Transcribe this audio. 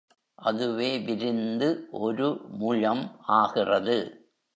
அதுவே விரிந்து ஒரு முழம் ஆகிறது.